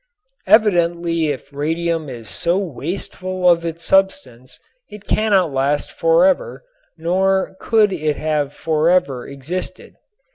Evidently if radium is so wasteful of its substance it cannot last forever nor could it have forever existed.